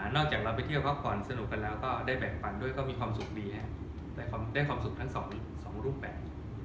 จากเราไปเที่ยวพักผ่อนสนุกกันแล้วก็ได้แบ่งปันด้วยก็มีความสุขดีแต่ได้ความสุขทั้งสองรูปแบบ